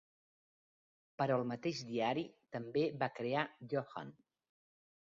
Per al mateix diari, també va crear "Johan".